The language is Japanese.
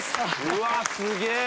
うわあすげえ！